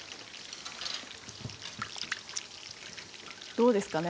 どうですかね？